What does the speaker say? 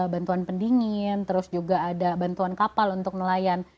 bantuan pendingin terus juga ada bantuan kapal untuk nelayan